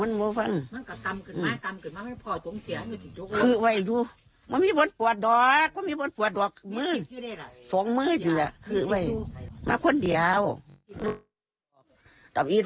มันก็ตำกันมาตำกันมามันพอโถงเสียมันก็ถือโถงเสีย